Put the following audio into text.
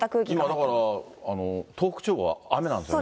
今、だから東北地方は雨なんですね。